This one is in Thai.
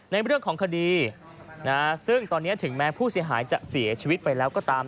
ในเรื่องของคดีซึ่งตอนนี้ถึงแม้ผู้เสียหายจะเสียชีวิตไปแล้วก็ตาม